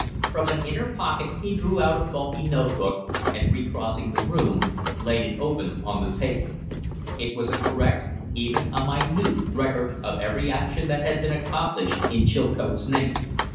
From an inner pocket he drew out a bulky note book, and, recrossing the room, laid it open on the table. It was a correct, even a minute, record of every action that had been accomplished in Chilcote's name.